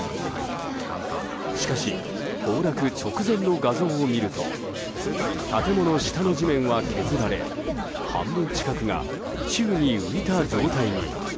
しかし、崩落直前の画像を見ると建物下の地面は削られ半分近くが宙に浮いた状態に。